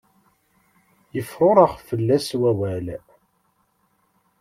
Yefrurex fell-as wawal.